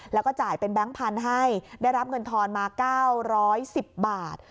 แล้วก็จ่ายเป็นแบงค์พันธุ์ให้ได้รับเงินทอนมา๙๑๐บาท